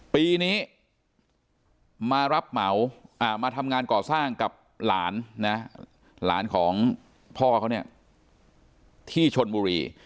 ปีนี้มาทำงานก่อสร้างกับหลานของพ่อที่ชลบุรี